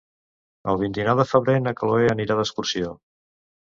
El vint-i-nou de febrer na Cloè anirà d'excursió.